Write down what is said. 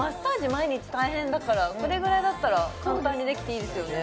毎日大変だからこれぐらいだったら簡単にできていいですよね